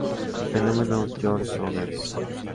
El fenómeno George Saunders.